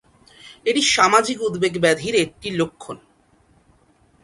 এটি সামাজিক উদ্বেগ ব্যাধির একটি লক্ষণ।